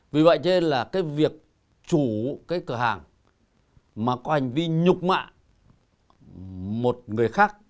vì vậy cho nên là cái việc chủ cái cửa hàng mà có hành vi nhục mạ một người khác